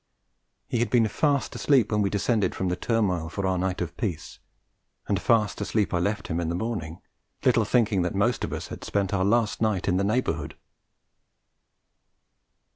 He had been fast asleep when we descended from the turmoil for our night of peace; and fast asleep I left him in the morning, little thinking that most of us had spent our last night in the neighbourhood.